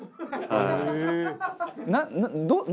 はい。